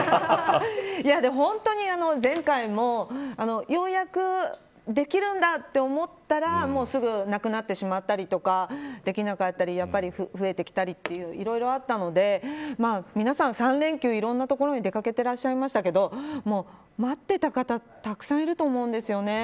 本当に、前回もようやくできるんだと思ったらすぐなくなってしまったりとかできなかったり、増えてきたりといろいろあったので皆さん、３連休いろんな所に出掛けてらっしゃいましたけど待っていた方たくさんいると思うんですよね。